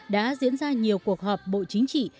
đã diễn ra nhiều cuộc họp bộ chính trị